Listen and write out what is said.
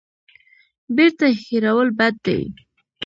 بیرته هېرول بد دی.